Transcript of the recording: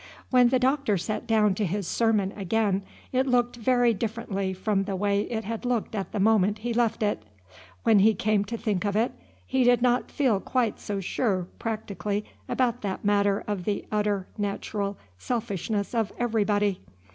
When the Doctor sat down to his sermon again, it looked very differently from the way it had looked at the moment he left it. When he came to think of it, he did not feel quite so sure practically about that matter of the utter natural selfishness of everybody.